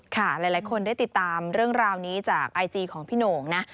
หลายคนได้ติดตามเรื่องราวนี้จากไอจีของพี่โหน่งนะ